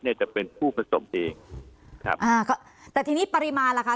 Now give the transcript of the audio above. เนี่ยจะเป็นผู้ผสมตัวจริงแต่ทีนี้ปริมาณละครับ